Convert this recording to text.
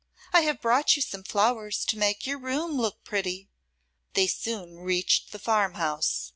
I have brought you some flowers to make your room look pretty.' They soon reached the farm house.